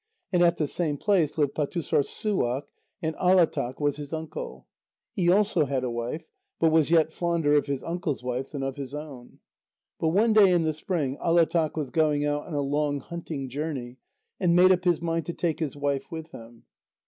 And at the same place lived Pâtussorssuaq, and Alátaq was his uncle. He also had a wife, but was yet fonder of his uncle's wife than of his own. But one day in the spring, Alátaq was going out on a long hunting journey, and made up his mind to take his wife with him.